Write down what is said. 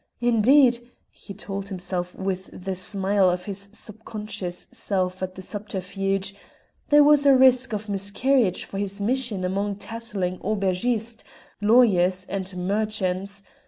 Indeed (he told himself with the smile of his subconscious self at the subterfuge) there was a risk of miscarriage for his mission among tattling aubergistes, lawyers, and merchants.